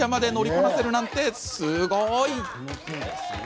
こなせるなんてすごい！